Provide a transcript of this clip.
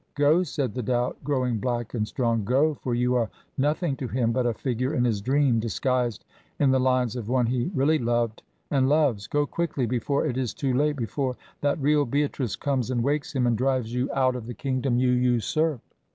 Go, said the doubt, growing black and strong; go, for you are nothing to him but a figure in his dream, disguised in the lines of one he really loved and loves; go quickly, before it is too late, before that real Beatrice comes and wakes him and drives you out of the kingdom you usurp.